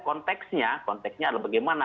konteksnya konteksnya adalah bagaimana